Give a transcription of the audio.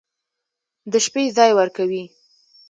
د شپې ځاى وركوي.